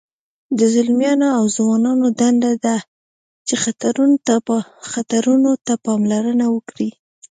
د ځلمیانو او ځوانانو دنده ده چې خطرونو ته پاملرنه وکړي.